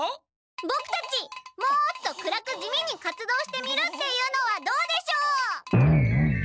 ボクたちもっと暗く地味に活動してみるっていうのはどうでしょう？